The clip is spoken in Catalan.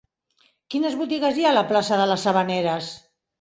Quines botigues hi ha a la plaça de les Havaneres?